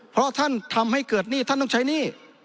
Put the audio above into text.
เพราะท่านทำให้เกิดหนี้ท่านต้องใช้หนี้